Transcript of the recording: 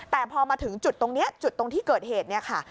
แต่พอมาถึงจุดตรงนี้จุดตรงที่เกิดเหตุเนี่ยค่ะ